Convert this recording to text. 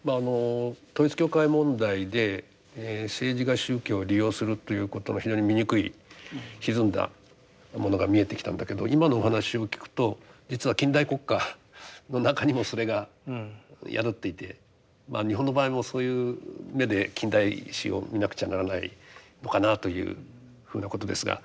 統一教会問題で政治が宗教を利用するっていうことの非常に醜いひずんだものが見えてきたんだけど今のお話を聞くと実は近代国家の中にもそれが宿っていてまあ日本の場合もそういう目で近代史を見なくちゃならないのかなというふうなことですが。